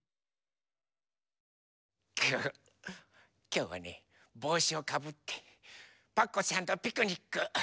きょうはねぼうしをかぶってパクこさんとピクニック。